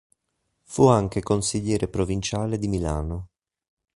Fu anche consigliere provinciale di Milano.